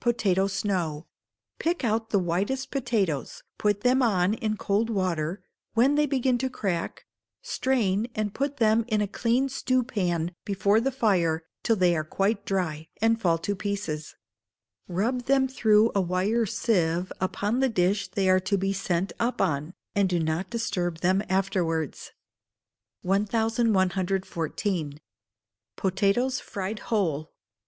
Potato Snow. Pick out the whitest potatoes, put them on in cold water; when they begin to crack, strain, and put them in a clean stewpan before the fire till they are quite dry, and fall to pieces; rub them through a wire sieve upon the dish they are to be sent up on, and do not disturb them afterwards. 1114. Potatoes Fried Whole.